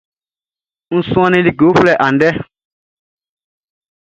N suannin like uflɛ andɛ.